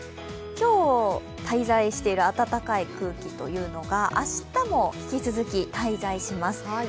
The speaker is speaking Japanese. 今日、滞在している暖かい空気が明日も引き続き滞在します。